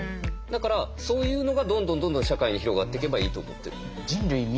だからそういうのがどんどんどんどん社会に広がっていけばいいと思ってる。